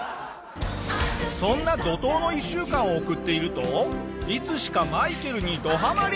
そんな怒濤の１週間を送っているといつしかマイケルにどハマり。